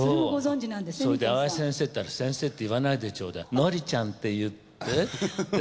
それで淡谷先生ったら先生って言わないでちょうだいのりちゃんって言ってって。